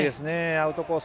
アウトコース